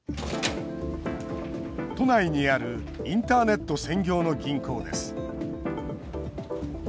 都内にあるインターネット専業の銀行です。